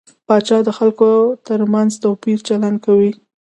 پاچا د خلکو تر منځ توپيري چلند کوي .